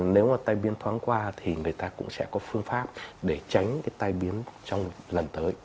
nếu mà tai biến thoáng qua thì người ta cũng sẽ có phương pháp để tránh cái tai biến trong lần tới